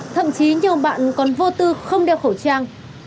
thậm chí nhiều bạn còn vô tư không đeo khẩu trang